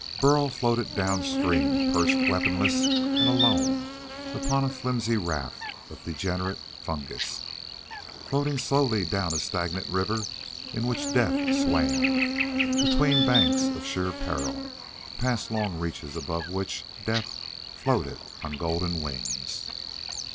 Burl floated downstream, perched weaponless and alone upon a flimsy raft of degenerate fungus; floated slowly down a stagnant river in which death swam, between banks of sheer peril, past long reaches above which death floated on golden wings.